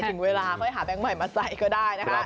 ถึงเวลาค่อยหาแบงค์ใหม่มาใส่ก็ได้นะคะ